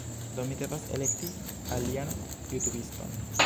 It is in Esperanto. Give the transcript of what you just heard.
Do, mi devas elekti alian jutubiston